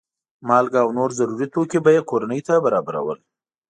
مالګه او نور ضروري توکي به یې کورنیو ته برابرول.